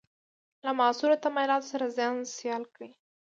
له معاصرو تمایلاتو سره ځان سیال کړي.